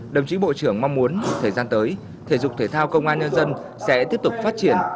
đồng chí bộ trưởng mong muốn thời gian tới thể dục thể thao công an nhân dân sẽ tiếp tục phát triển